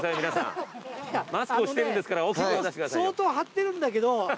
あのね相当張ってるんだけど。